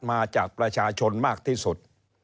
มาจากประชาชนมากที่สุด